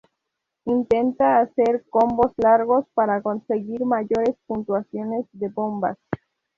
Intenta hacer combos largos para conseguir mayores puntuaciones de bombas.